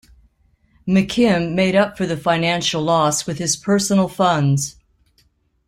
McKim made up for the financial loss with his personal funds.